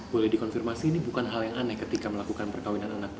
boleh dikonfirmasi ini bukan hal yang aneh ketika melakukan perkawinan anak bu